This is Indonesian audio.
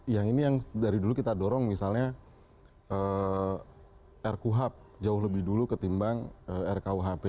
yang ini yang dari dulu kita dorong misalnya rkuhp jauh lebih dulu ketimbang rkuhp